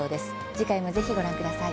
次回も、ぜひご覧ください。